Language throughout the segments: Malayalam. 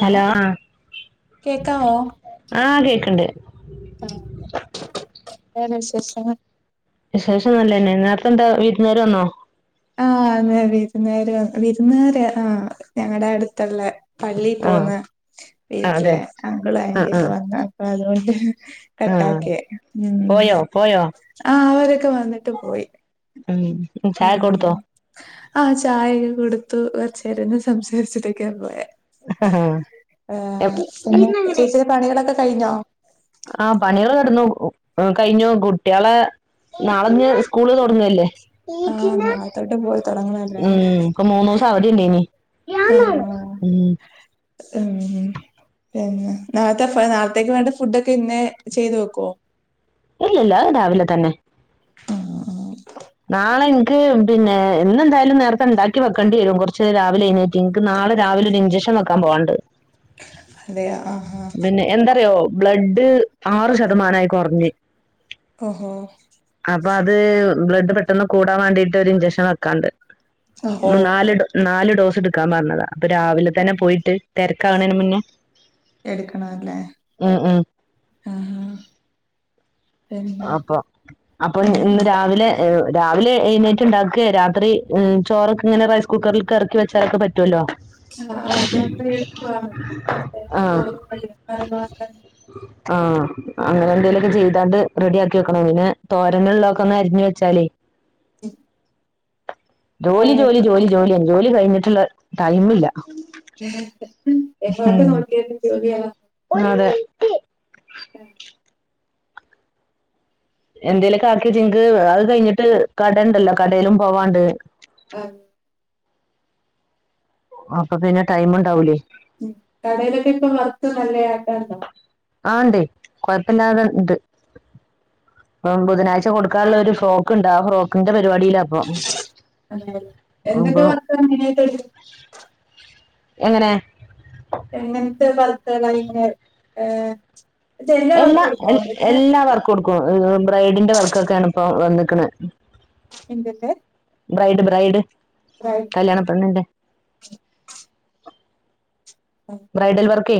ഹലോ ആ കേക്കാവോ ആഹ് കേക്ക്ണ്ട് ആഹ വേറെ വിശേഷം വിശേഷം നല്ലന്നെ നേരത്തെ എന്താ വിർന്നാർ വന്നോ ആഹ് അന്നാ വിരുന്നേര വിരുന്നേര് ആഹ ഞങ്ങളടെ അടുത്തുള്ളേ പള്ളി ആ പോന്ന ആ അതെ വീട്ടില്െ അങ്കളും ആ ആന്റി ആ ഒക്കെ വന്ന അപ്പ അതുകൊണ്ട് ആ കട്ടാക്കിയ ഉ പോയോ പോയോ ആ അവരൊക്കെ വന്നിട്ട് പോയി ഉം ചായ ഉം കൊടുത്തോ ആഹ് ചായ കൊടുത്തു കുറച്ച്രുരുന്നു സംസാരിച്ചിട്ടൊക്കെയാ പോയ ഏർ പിന്നെ ചെറ ചെറിയ പണികളൊക്കെ കഴിഞ്ഞോ ആ പണികൾ കിടന്നു കഴിഞ്ഞു കുട്ടികളെ നാളെഞ് സ്കൂള്ോ ഉ ആഹ് നാളെത്തൊട്ട് പോയി തുടങ്ങണല്ലേ ഇപ്പ മൂന്നു ദിവസം അവധി ഉണ്ടേനി ആഹ് ഉം ഉ പിന്നെ നാളത്തെ നാളത്തേക്ക് വേണ്ട ഫുഡ ഒക്കെ ഇന്നെ ചെയ്തു വെക്കുവോ ഇല്ലല്ല അത് രാവിലെ തന്നെ നാളെ എനിക്ക് പിന്നെ ഇന്ന്െന്തായാലും നേരത്തെ ഉണ്ടാക്കി വെക്കേണ്ടി വരും കുറച്ച് രാവിലെ നിങ്ങക്ക് നാളെ രാവിലെ ഒരു ഇൻചെക്ഷൻ നക്കാ പോകണ്ട് അതെ ആ പിന്നെ എന്താറിയോ ബ്ലഡ് ആറു ശതമാനമായി കുറഞ് ആഹോ അപ്പൊ അത് ബ്ലഡ് പെട്ടെന്ന് കൂടാൻ വേണ്ടിയിട്ട് ഒരു ഇഞ്ചെക്ഷൻ വെക്കാണ്ട് ഓ നാല് ഡ് നാല് ഡോസ് എടുക്കാൻ പറഞ്ഞതാ അപ്പൊ രാവിലെ തന്നെ പോയിട്ട് തിരക്ക കാണന് മുന്നേ എടുക്കണ അല്ലേ ഉം ഉം ആ അപ്പൊ അപ്പൊ ഇന്ന് ഉം രാവിലെ രാവിലെ എഴണേറ്റ് ഉണ്ടാക്ക രാത്രി ചോറൊക്കെ ഇങ്ങനെ റൈ കുക്കറിൽ ക ഇറക്കി വെച്ചാലൊക്കെ പറ്റുവല്ലോ ആ [unintelligible] ആഹ് അങ്ങനെ എന്തേലൊക്കെ ചെയ്താണ്ട് റെഡി ആക്കി വെക്കണം പിന്നെ തോരന്ള്ളതൊക്കെ ഒന്ന് അരിഞ്ഞ് വെച്ചാലേ ഉം ജോലി ജോലി ജോലി ജോലി ജോലി കഴിഞ്ഞിട്ടുള്ള ടൈമില്ല എങ്ങോട്ട് ഉം നോക്കിയാലും ജോലികള അതെ [inaudible] എന്തേലൊക്കെ ആക്കിയെച്ച ഇൻക് അത് കഴിഞ്ഞിട്ട് കടണ്ടല്ലോ കടയിലും പോവാണ്ട് ആഹ് അപ്പൊ പിന്നെ ടൈം ഇണ്ടാവൂലേയ് ഉം കടയിലൊക്കെ ഇപ്പ [unintelligible] ആ ഇണ്ടേയ് കൊഴപ്പല്ലാതെണ്ട് ഉം ബുധനാഴ്ച കൊടുക്കാനുള്ള ഒരു ഫ്രോക്ക്ണ്ട് ആ ഫ്രോക്കിന്റെ പരിപാടിയില അതേ എന്തൊക്കെ അപ്പൊ വർക്കാണ് മെയിൻ ആയിട്ട് എങ്ങനെ എങ്ങനത്തെ വർക്കേളാ [unintelligible] എല്ലാ എല്ലാ വർക്കും എടുക്കും ബ്രൈഡിന്റെ വർക്കൊക്കെയാണ് ഇപ്പൊ വന്നേ ക്കണ എന്തിന്റെ ബ്രൈഡ് ബ്രൈഡ് കല്യാണ പെണ്ണിന്റെ ബ്രൈഡൽ വർക്കേ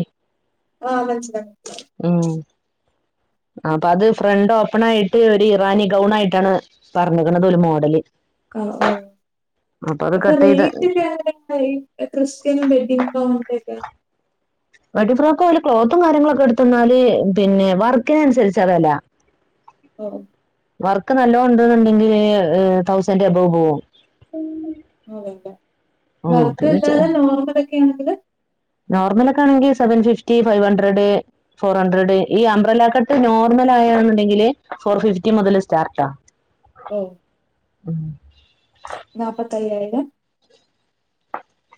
ആഹ് മനസിലായി ഉം [inaudible] അപ്പൊ അത് ഫ്രണ്ട് ഓപ്പൺ ആയിട്ട് ഒരു ഇറാനി ഗൗൺ ആയിട്ടാണ് പറഞ്ഞിക്കണത് ഒരു മോഡല് ആ ഓ അപ്പൊ അത് അപ്പ കട്ട് ചെയ്ത് റേറ്റക്ക ഈ ക്രിസ്റ്റ്യൻ വെഡിങ് ഗൗണിൻ്റെ ഒക്കെ വെണ്ടിംഗ് ഫ്രോക്ക് ഒരു ക്ലോത്തും കാര്യങ്ങളൊക്കെ എടുത്തന്നാല് പിന്നെ വർക്കിന് അനുസരിച്ച വില ഓ വർക്ക് നല്ലൊ ഉണ്ടെന്നു ഒണ്ടങ്കിൽ തൗസൻ്റ് എബോ പോവും അതെതെ ഉം വർക്ക് അല്ലാതെ നോർമല് ഒക്കെ ആണെങ്കില് നോർമല് ഒക്കെ ആണെങ്കിൽ seven fifty five hundred four hundred ഈ അമ്പ്രല്ല കട്ട് നോർ മാണെന്നുണ്ടെങ്കിൽ ഫോർ ഫിഫ്റ്റി മുതൽ സ്റ്റാർട്ട ഓ ഉം നാപ്പത്തയ്യായിരം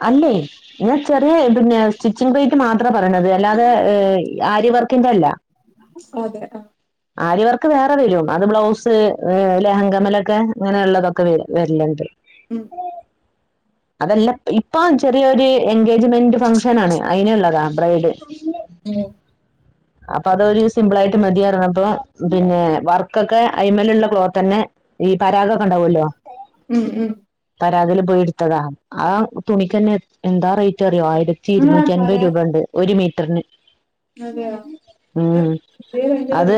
അല്ലേ ഇന്നാ ചെറിയ പിന്നെ സ്റ്റിച്ചിങ് റേറ്റ് മാത്ര പറയണത് അല്ലാതെ ആര്യ വർക്കിന്റെ അല്ല അതെ ആ ആര്യ വർക്ക് വേറെ വരു അത് ബ്ലൗസ് ലെഹങ്കമലൊക്കെ അങ്ങനെയുള്ളള്ളതൊക്കെ വ വരിലുണ്ട് ഉം അതല്ല ഇപ്പൊ ചെറിയൊരു എൻഗേജ്മെന്റ് ഫംഗ്ഷൻ ആണ് അയിന്ള്ളതാ ബ്രൈഡ് ഉം അപ്പൊ അതൊരു സിംപിൾ ആയിട്ട് മതിയറണപ്പം പിന്നെ വർക്കൊക്കെ അയിമല്ള്ള ക്ലോത്ത് തന്നെ ഈ പരാഗൊക്കെണ്ടാവല്ലോ ഉം ഉം പോ എടുത്തതാണ് ആ തുണിക്ക്ന്നെ എന്താ റേറ്റ് അറിയോ ആ ഇരുന്നൂറ്റി അൻപത് രൂപ ഉണ്ട് ഒരു മീറ്ററിന് അതെയ ഉം അത്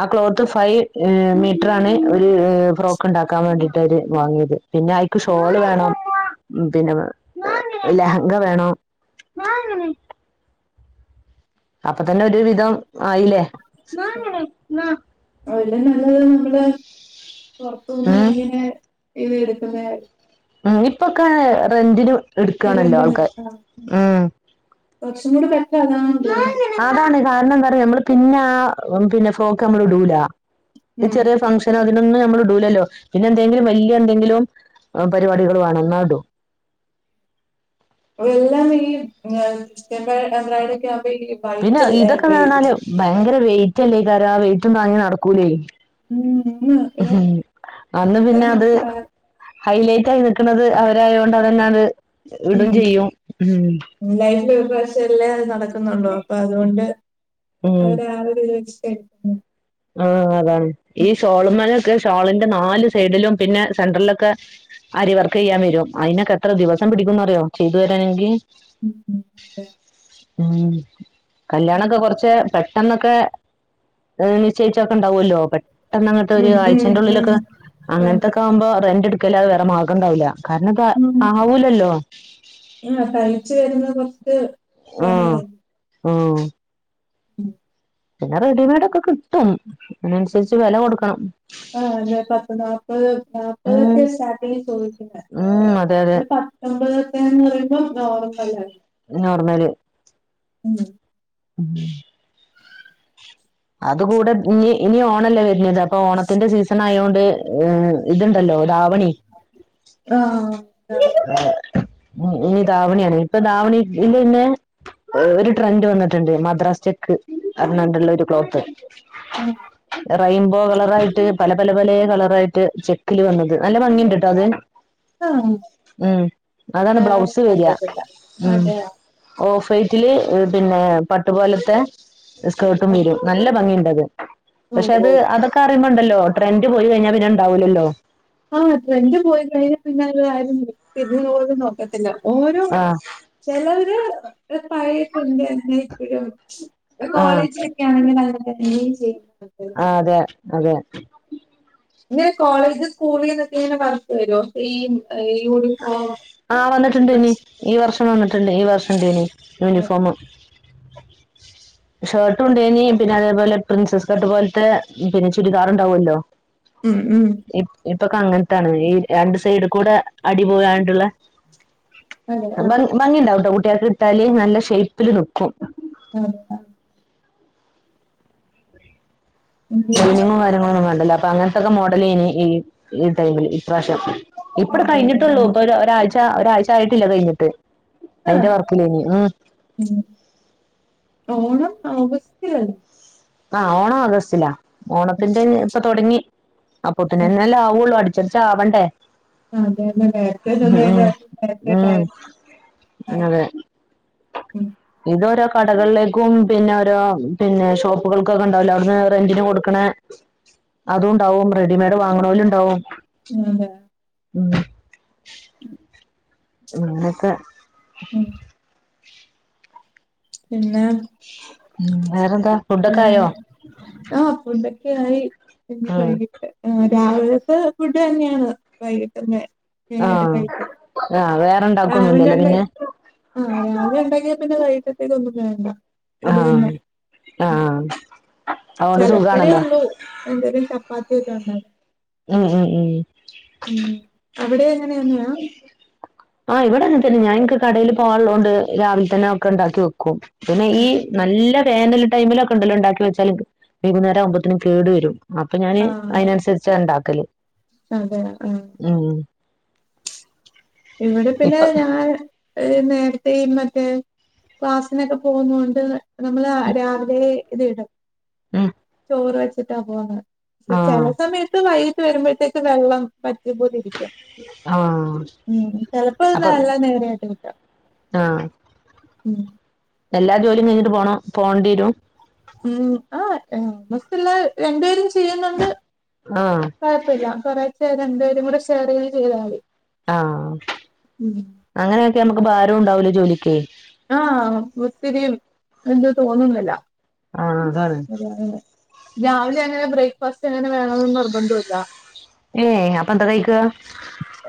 ആ ക്ലോത്ത് ഫൈവ് മീറ്റർ ആണ് ഒരു ഫ്രോക്ക് ഉണ്ടാക്കാൻ വേണ്ടിട്ടവര് വാങ്ങിയത് പിന്നെ ഐക്ക് ഷോള് വേണം പിന്നെ ലഹങ്ക വേണം [unintelligible] അപ്പൊ തന്നെ ഒരു വിധം ആയില്ലേ.. [unintelligible] പുറത്തനിന്ന് ഉം എങ്ങനെ ഇത് എടുക്കുന്നെ? ഉ ഇപ്പൊക്കെ റെന്റിന് എട്ക്കാണല്ലോ റെന്റിന് ആൾക്കാാര് എടുക്കാം ഉം [unintelligible] തോന്നുന്നു അതാണ് കാര്ണെന്തറിയോ മ്മള് പിന്നാ പിന്നെ ഫ്രോകമ്മള്ടുൂല ഈ ഉം ചെറിയ ഫംഗഷന ന്ന് മ്മള് ടൂലല്ലോ പിന്നെ എന്തെങ്കിലും വല്യന്തെങ്കിലും പരിപാടികള് വാണം ന്നാടും. [unintelligible] പിന്നെ വൈറ്റ് അല്ലേ ഇതൊക്കന്നർഞാല് ഉപയോഗിക്കുന്നത് ഭയങ്കര വെയിറ്റ് അല്ലേകാരം ആ വെയിറ്റും താങ്ങി നടക്കൂലേ മൂന്ന് ഒരു അന്ന് ഒന്നര പിന്നെ അത് മണിക്കൂർ ഹൈലൈറ്റ് ആയി [unintelligible] അവരായോണ്ടതങ്ങനെ ഇടും ചെയ്യും ഉം ലൈഫിൽ ഒരു പ്രാവശ്യല്ലേ അത് നടക്കുന്നുള്ളോ അപ്പൊ അതുകൊണ്ട് അവര് [unintelligible] ആ ആ അതാണ് ഈ ശോള്മല ഷോളിന്റെ നാല് സൈഡിലും പിന്നെ സെന്റർലൊക്കെ ആരിവർക്കെയ്യാൻ വെരും അയിനൊക്കെ എത്ര ദിവസം പിടിക്കുംന്നറിയോ ചെയ്തു വരാനെങ്കിൽ [inaudible] ഉ കല്യാണൊക്കെ കൊറച്ചേ പെട്ടെന്നൊക്കെ [unintelligible] നിച്ചയ്ചോക്കണ്ടാവല്ലോ പെട്ടെന്നങ്ങട്ട് ഉം, ഒരു ഉം, ആഴ്ചന്റെ ഉം. ഉള്ളിലൊക്കെ അതെ. അങ്ങനത്തൊക്കെ ആവുമ്പോ റെന്റ് ക്കല്ലാതെ വേറെമാർഗണ്ടാവൂല കാര്ണത് ഉം. ആവൂലല്ലോ ആ, തയ്ച്ച് വരുന്ന [unintelligible] ആ [inaudible] പിന്നെ റെഡിമെയ്ടൊക്കെ കിട്ടും അതിനനുസരിച്ച് വെല കൊടുക്കണം ആഹ [unintelligible] പത്ത്നാപ്പത് ഉം നാപ്പതൊക്കെ സ്റ്റാർട്ടിങ് ചോയ് ഉം അതെ അതെ അത് പത്തൊമ്പത്തെന്ന് പറയുമ്പം. [unintelligible] നോർമല്. മ് ഉംഹ് അത്‌ കൂടെ ഇനി ഇനി ഓണല്ലേ വര്ന്നത് അപ്പൊ ഓണത്തിന്റെ സീസണായോണ്ട്. ഇത്ണ്ടല്ലോ ദാവണി. ആ [inaudible] ഇനി ദാവണിയാണ് ഇപ്പൊ ധാവണി ഈല്ലന്നെ. ഒരു ട്രെൻഡ വന്ന്ട്ട്ണ്ട് മദ്രാസ് ചെക്ക് ർഞ്ഞാണ്ടുള്ളൊരു ക്ലോത്ത്. ആ റെയിൻബോ കളറായിട്ട് പല പല പല കളറായിട്ട് ചെക്കില് വന്നത് നല്ല ഭംഗിയുണ്ട് ട്ടോ അത്. ആഹ് ഉം അതാണ് വേറെ ബ്ലൗസ് വെരാ കണ്ടിട്ടില്ല. ഉം അതെയോ ഓഫ് വൈറ്റില് പിന്നെ പട്ടുപോലത്തെ സ്കേട്ടും വരും നല്ല ഭംഗിണ്ടത്. പക്ഷെ ഓഹ് അത് ഓഹ് അതൊക്കെ അറിമ്പോണ്ടല്ലോ ട്രെൻഡ് പോയി കഴിഞ്ഞാ പിന്നെ ഉണ്ടാവൂലല്ലോ? ആന്നെ ട്രെൻഡ് പോയി കഴിഞ്ഞ പിന്നെ ആരും തിരിഞ്ഞ്പോലും നോക്കത്തില്ല. ഓരോ ആഹ് ചിലവര് പഴേട്ടന്റെനെ. [unintelligible] ആഹ് കോളേജിലൊക്കെ ആണെങ്കിൽ [unintelligible] ചെയ്യുന്നു. ആ അതെ അതെ. ഇനൊര് കോളേജ് സ്കൂളി നിന്നൊക്കെ ഇങ്ങനെ പർഞ്ഞ് ട്ട്വെരോ. [unintelligible] [unintelligible] ആ വന്നിട്ടുണ്ടെന്ന് ഡ്രസ് ഈ വർഷം വന്നിട്ടുണ്ട് ഈ വർഷം ഇൺടൈന് അതെ. യൂണിഫോമ്. ഷർട്ടും ഉണ്ടേയ്ന് പിന്നെ അതേപോലെ പ്രിൻസസ് കർട്ട് പോലത്തെ പിന്നെ ചുരിദാറുണ്ടാവല്ലോ. ഉം ഉം. ഇപ്പൊക്കെ അങ്ങൻത്താണ് ഈ രണ്ട് സൈഡ് കൂടെ അടി. [unintelligible] അതെ ആഹ് ബംഗ ഭംഗി ഉണ്ടാവട്ടോ കുട്ടികൾക്ക് ഇട്ടാല് നല്ല ഷേ്യ്പ്പില് നിക്കും. അക്ക [unintelligible] ലൈനിങ്ങും കാര്യങ്ങളൊ ഒന്നും വേണ്ടല്ലോ, അപ്പൊ അങ്ങനത്തെൊക്കെ മോഡല് അയ്നി ഈ ഈ ടൈമില് ഇപ്രാവശ്യം ഇപ്പങ്ങട്ട് അതെ അതെ കഴിഞ്ഞിട്ടുള്ളൂ ആഹ് ഇപ്പൊ ഒരാഴ്ച ഒരാഴ്ച ആയിട്ടില്ല കഴിഞ്ഞിട്ട് അയിന്റെ ആഹ് വർക്കിലേനി ഉം ഉം ഓണം ഓഗസ്റ്റിലല്ലേ ആഹ് ഓണം ആഗസ്റ്റിലലാ ഓണത്തിന്റെ ഓഗസ്റ്റിലല്ലേ ഇപ്പൊ തുടങ്ങി അപ്പത്തിനെന്നല്ലേ ആവള്ളൂ അടിച്ചടച്ച ആവണ്ടേ ആ അതെെ ബ ഉം ഒ ഉം [unintelligible] അതെ ഇതൊരോ കടകളിലേക്കും പിന്നെ ഓരോ പിന്നെ ഷോപ്പ പൂക്കൾക്കൊക്കെ [unintelligible] ഉണ്ടാവൂലേ അവിടുന്ന് റെന്റിന് കൊടുക്കണെ, അതും ഉണ്ടാവും റെഡിമെയ്ഡ് വാങ്ങനോലും ഉണ്ടാവും ആല്ല [unintelligible] ഉം ഉം നിങ്ങക്കെ [unintelligible] ഉം പിന്നെ ഉം വേറെന്താ ഫുഡൊക്കെ ഏഹ് ആയോ [unintelligible] ായി പിെ [unintelligible] ഉം വൈകിട്ട് രാവിലത്തെ ഫുഡ് തന്നെയാണ് വൈകിട്ടത് [inaudible] നട്ട ആഹ് കഴിക്കില്ല ആഹ് വേറെ രാമാട ഇണ്ടാക്കൊന്നുല്ലല്ലേ പിന്നെ [unintelligible] ആഹ രാവിലെ ഉണ്ടാക്കിയ പിന്നെ കഴ ഇത്തേ [unintelligible] ഇത് ഒന്നും വേണ്ട അത് തന്നെ ആഹ് ആഹ് അതുകൊണ്ട് ചിലപ്പഴേ സുഖാണല്ലോ ഉള്ളൂ എന്തെലും ചപ്പാത്തി ഒക്കെയുണ്ടാക്കും ഉം ഉം ഉം ഉം അവിടെ എങ്ങനെയാ ആഹ് ഇവിടങ്ങനെതന്നെ ഞാൻ ഇന്ക് കടയിൽപോവാൻള്ളൊണ്ട് രാവിലെ തന്നെ ഒക്കെ ഉണ്ടാക്കി വെക്കും പിന്നെ ആ ഈ നല്ല വേനൽ ടൈമിലൊക്കെ ഉണ്ടല്ലോ ഉണ്ടാക്കി വെച്ചാലും വൈുന്നേരം ആകുമ്പോത്തിനും കേടു വരും അപ്പൊ ഞാന് ആ അയ്നനുസരിച്ച ഉണ്ടാക്കല്. അതെ ആഹ ഉം ഇവിടെ പിന്നെ ഇപ്പൊ ഞാൻ - നേരത്തെയ മറ്റേ ക്ലാസിനൊക്കെ പോകുന്നുണ്ട് - നമ്മള് രാവിലെ ഇത് ഇടും ഉം ചോറ് വെച്ചിട്ടാ പോന്നേ? പക്ഷെ ആഹ് ചില സമയത്ത് വൈകിട്ട് വരുമ്പോഴത്തേക്ക് വെള്ളം. പോലെ ഇരിക്കും. ആഹ ഉം ചെലപ്പോ ന നല്ല നേരായിട്ട് കിട്ടാം ആഹ് ഉം എല്ലാ ജോലിയും കഴിഞ്ഞിട്ട് പോണം പോണ്ടിരും ഉ ആ് മസ്ല്ല രണ്ടപേരും [unintelligible] ചെയ്യുന്നുണ്ട് ആഹ് കൊഴപ്പല്ല കുറേ ഷേ രണ്ട പേരും കൂടെ ഷെയർ ചെയ്ത് ചെയ്താൽ മതി. ആഹ ഉം അങ്ങനെയൊക്കെ നമുക്ക് ഭാരം ഉണ്ടാവലോ ജോലികെ ആഹ് ഒത്തിരി എന്ത് തോന്നുന്നില്ല ആ അതാണ്. രാവിലെ എങ്ങനെ ബ്രേക്ക്ഫാസ്റ്റ് എങ്ങനെ വേണൊന്ന് നിർബന്ധല്ല. ഏഹ് അപ്പൊ എന്താ കഴിക്കുക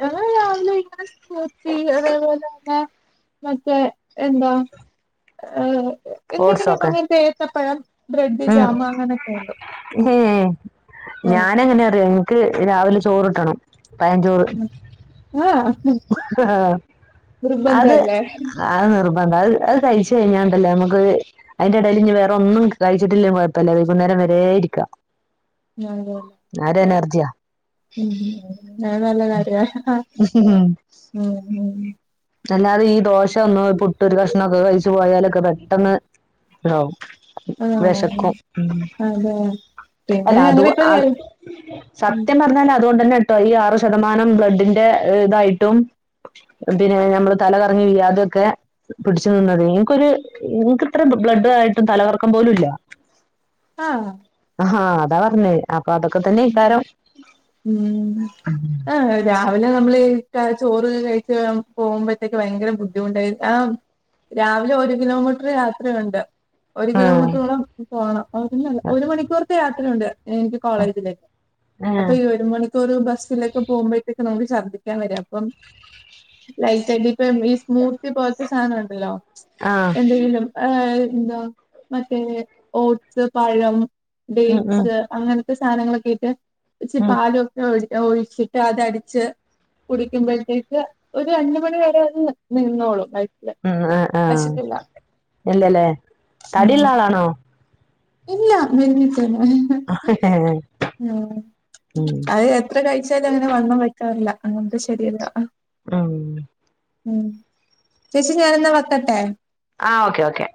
എ ഞ ഇങ്ങനെ എത്തി അതേപോലെ തന്നെ മറ്റേ എന്താ ഹ് ഹേ എന്തെങ്കിലും ഓട്സൊക്കെ അങ്ങനത്തെ ഏത്തപ്പഴം. ബ്രെഡ് ഉം ജാം അങ്ങനൊക്കെ ഉണ്ടോ ഹേ ആഹ് ഞാന എങ്ങനെ അറിയോ എനിക്ക് രാവിലെ ചോറിട്ടണം. ഉ ആഹ [unintelligible] മ്ഹാആഹാഅത് അ അ അത് കഴിച്ച കഴഞ്ഞണ്ടല്ല നമക്ക് അതിന്റെ ഇടയിൽ ഇഇഞ് വേറെ ഒന്നും കഴിച്ചിട്ടില്ല കുഴപ്പല്ല നേര വരെ ഇരിക്കാം നതല്ലേ [unintelligible] [unintelligible] ആ ഒരു എനർജിയാ ഉം, അത് നല്ല, കാര്യാ, ഹഹ്, ഹഹ, ഉം, ഉം അല്ലാതെ ഈ ദോശ ഒന്നും പുട്ട് ഒരു കഷ്ണംമൊക്കെ കഴിച്ചു പോയാലൊക്കെ പെട്ടെന്ന് ഇടാവും ആഹ് വെഷക്കും, ഉം അതെ പിന്നെ അല്ല, അത്, ഞങ്ങളിപ്പോ ആ, ഹെൽ സത്യം, പറഞ്ഞാല് അതുകൊണ്ടെന്നെ, ട്ടോ, ഈ ആറ് ശതമാനം, ബ്ലഡിന്റെ, ഇ, ഇതായിട്ടും പിന്നെ, നമ്മള്, തലകറങ്ങി, വീഴാ, അതൊക്കെ, പിടിച്ച്ന്നത്, ങ്ങക്കൊരു, ഇങ്ങക്കിത്ര, ബ്ലഡ്‌, ട്ട് തലറക്കം, പോലുംല്ല ആഹ ഹഹാ, അതാ, പറഞ്ഞേ അപ്പൊ അതൊക്കെ തന്നെ മ്മ്, ഇക്കാരം ഉം, അ, രാവിലെ നമ്മള് ക്ക, ചോറ്, കഴിക്ക, എം, പോവുമ്പഴത്തേക്കും, വയ്യെങ്കര, ബുദ്ധിമുട്ട രാവിലെ, ഒരു, കിലോമീറ്റർ, യാത്രയുണ്ട് ഒരു ആഹ് കിലോമീറ്ററോളം, പോണം, ഒന്നല്ല, ഒരു, മണിക്കൂർത്തെ, യാത്രയുണ്ട്, എനിക്ക്, കോളേജ് അപ്പൊ, ആഹ് ഈ, ഒരു മണിക്കൂർ, ബസ്സിലൊക്കെ, പോകുമ്പോത്തെക്കെ, നമുക്ക്, ഷർദ്ധിക്കാൻ, വരാ, അപ്പം ലൈറ്റായിട്ടിപ്പോ, മ്മ്, ഈ, സ്മൂത്തി, പോലെത്തെ, സാനംണ്ടല്ലോ ആഹ് എന്തെങ്കിലും, ഹ, എന്താ, മറ്റേ, ഓട്സ്, പഴം ഉം ഉം ഡേറ്റ്സ്, അങ്ങനത്തെ, സാനങ്ങളൊക്കെട്ട്, ഇച്ചി, ഉം പാലൊക്കെ, ഒഴി ഒഴിച്ചിട്ട്, അതടിച്ച് കുടിക്കുമ്പോഴത്തേക്ക്, ഒരു, അഞ്ച്, മണി, വരെ, അത്, നിക്ക്, നിന്നോളൂ അ, ആ, ആ, ഇല്ലല്ലേ, തടിള്ളളാണോ ഇല്ലാ, മെലിഞ്ഞിട്ടെന്നെ ആ, ഹഹ ഉം, അത്, എത്ര കഴിച്ചാലും, അങ്ങനെ, വണ്ണം, വെക്കാറില്ല, അങ്ങനത്തെ, ശരീരാ ആഹ് ഉം, ചേച്ചി, ഞാനെന്നാ, വക്കട്ടെ ആ ഓക്കെ ഓക്കെ